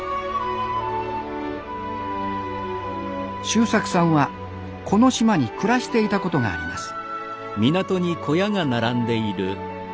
修策さんはこの島に暮らしていたことがあります。